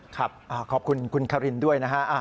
ขอบคุณคุณคารินด้วยนะฮะ